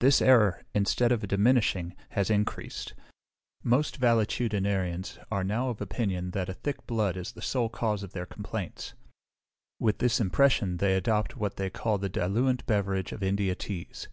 This error, instead of diminishing, has increased: most valetudinarians are now of opinion that a thick blood is the sole cause of their complaints; with this impression they adopt what they call the diluent beverage of India teas.